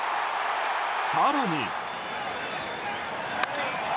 更に。